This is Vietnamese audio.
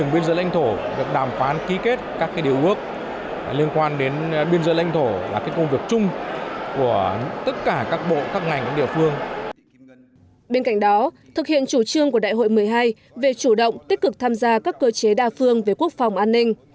bên cạnh đó thực hiện chủ trương của đại hội một mươi hai về chủ động tích cực tham gia các cơ chế đa phương về quốc phòng an ninh